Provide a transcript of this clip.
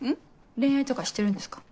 恋愛とかしてるんですか？